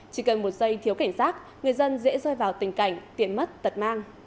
chỉ cần một giây thiếu cảnh sát người dân dễ rơi vào tình cảnh tiện mất tật mang